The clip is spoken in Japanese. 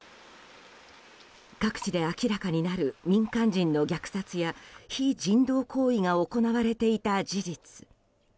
各地で明らかになる民間人の虐殺や非人道行為が行われていた事実。